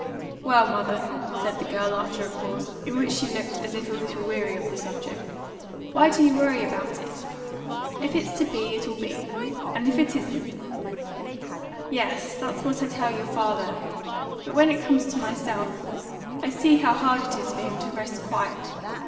"Well, mother," said the girl after a pause, in which she looked as if a little weary of the subject, "why do you worry about it? If it's to be it'll be, and if it isn't " "Yes, that's what I tell your father. But when it comes to myself, I see how hard it is for him to rest quiet.